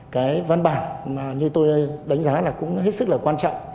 cái văn bản mà như tôi đánh giá là cũng hết sức là quan trọng